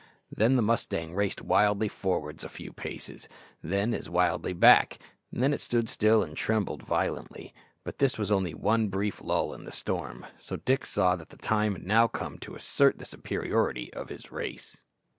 Then the mustang raced wildly forwards a few paces, then as wildly back, and then stood still and trembled violently. But this was only a brief lull in the storm, so Dick saw that the time was now come to assert the superiority of his race.